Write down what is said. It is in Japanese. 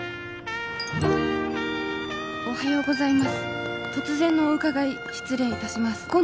「おはようございます突然のおうかがい失礼いたします」